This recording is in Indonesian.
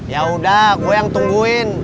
ya udah gue yang tungguin